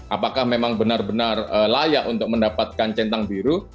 apakah memang benar benar layak untuk mendapatkan centang biru